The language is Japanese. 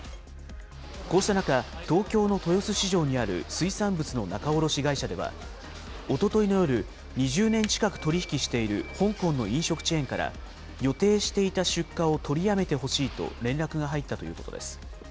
こうした中、東京の豊洲市場にある水産物の仲卸会社では、おとといの夜、２０年近く取り引きしている香港の飲食チェーンから、予定していた出荷を取りやめてほしいと連絡が入ったということです。